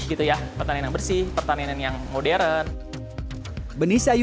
kita bisa memprediksi